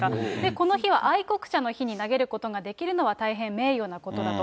この日は愛国者の日に投げることができるのは、大変名誉なことだと。